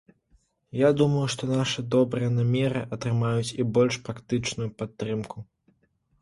Я думаю, што нашы добрыя намеры атрымаюць і больш практычную падтрымку.